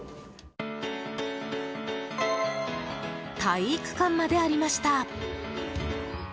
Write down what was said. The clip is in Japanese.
体育館までありました。